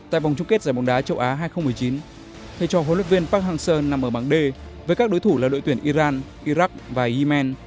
tại vòng chung kết giải bóng đá châu á hai nghìn một mươi chín thay cho huấn luyện viên park hang seo nằm ở bảng d với các đối thủ là đội tuyển iran iraq và yemen